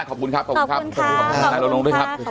ขอบคุณครับสวัสดีครับ